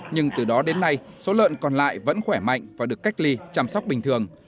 nhưng từ đó đến nay số lợn còn lại vẫn khỏe mạnh và được cách ly chăm sóc bình thường